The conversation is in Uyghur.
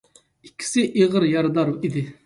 ئىككىسى ئېغىر يارىدار ئىدى.